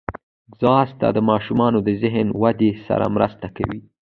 ځغاسته د ماشومانو د ذهن ودې سره مرسته کوي